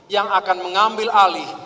yang akan mengambil alih